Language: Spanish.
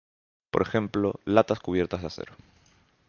Por ejemplo latas cubiertas de acero.